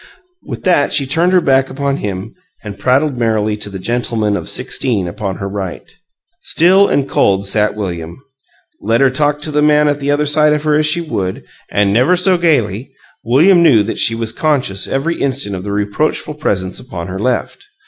With that she turned her back upon him and prattled merrily to the gentleman of sixteen upon her right. Still and cold sat William. Let her talk to the Man at the other side of her as she would, and never so gaily, William knew that she was conscious every instant of the reproachful presence upon her left.